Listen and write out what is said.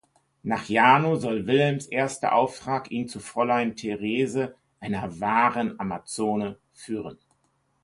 Nach Jarno soll Wilhelms erster Auftrag ihn zu Fräulein Therese, einer „wahren Amazone“, führen.